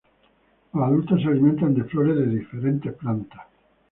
Los adultos se alimentan de flores de diferentes plantas.